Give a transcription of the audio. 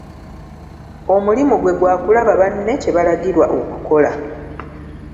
Omulimu gwe gwa kulaba banne kye balagirwa okukola.